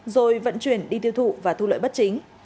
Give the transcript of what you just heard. rồi vận chuyển đi tiêu thụ và thu lợi bất chính